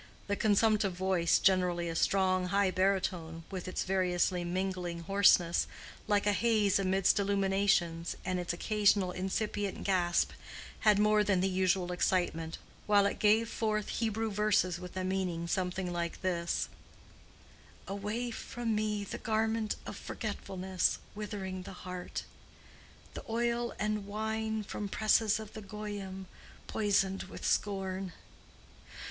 The consumptive voice, generally a strong high baritone, with its variously mingling hoarseness, like a haze amidst illuminations, and its occasional incipient gasp had more than the usual excitement, while it gave forth Hebrew verses with a meaning something like this: "Away from me the garment of forgetfulness. Withering the heart; The oil and wine from presses of the Goyim, Poisoned with scorn.